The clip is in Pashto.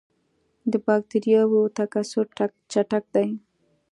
د بکټریاوو تکثر چټک دی.